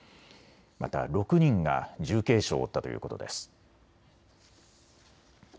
また６人が重軽傷を負ったということです。